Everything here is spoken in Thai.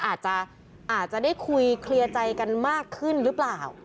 อาจจะได้คุยเคลียร์ใจกันมากขึ้นหรือเปล่า